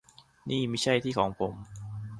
นี่ไม่ใช่ที่ของผม